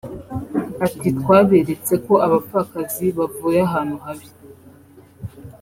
Ati “Twaberetse ko abapfakazi bavuye ahantu habi